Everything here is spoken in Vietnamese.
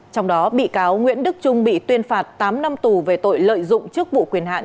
trong đó bị cáo nguyễn đức trung bị tuyên phạt tám năm tù về tội lợi dụng chức vụ quyền hạn